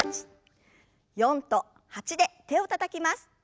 ４と８で手をたたきます。